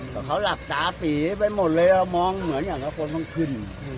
ก็เขาหลับตาตีไปหมดเลยอ่ะมองเหมือนอย่างนี้อ่ะคนต้องขึ้น